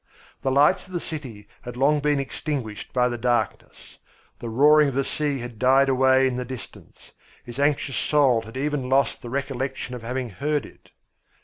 The lights of the city had long been extinguished by the darkness. The roaring of the sea had died away in the distance; his anxious soul had even lost the recollection of having heard it.